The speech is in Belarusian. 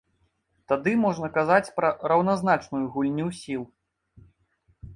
Тады можна казаць пра раўназначную гульню сіл.